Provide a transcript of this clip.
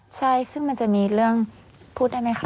ใช่ซึ่งมันจะมีเรื่องพูดได้ไหมคะ